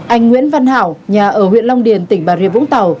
anh nguyễn văn hảo nhà ở huyện long điền tỉnh bà rịa vũng tàu